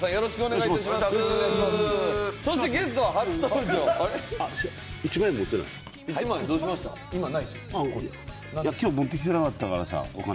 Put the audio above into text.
いや今日持ってきてなかったからさお金。